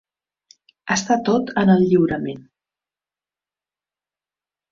Està tot en el lliurament.